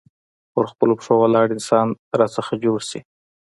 پر خپلو پښو ولاړ انسان رانه جوړ شي.